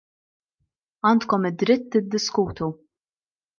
Għandkom id-dritt tiddiskutu.